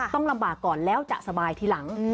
ต้องลำบากก่อนแล้วจะสบายทีหลัง